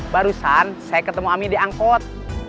barusan saya ketemu ami di angkot